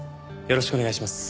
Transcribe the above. よろしくお願いします。